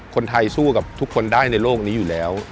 คนไทยสู้กับทุกคนได้ในโลกนี้อยู่แล้ว